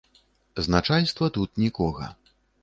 З начальства тут нікога.